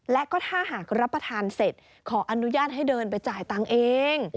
และก็ถ้าหากรับประทานเสร็จขออนุญาตให้เดินไปจ่ายตังค์เอง